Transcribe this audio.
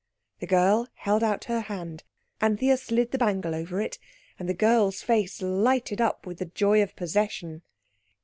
The girl held out her hand. Anthea slid the bangle over it, and the girl's face lighted up with the joy of possession.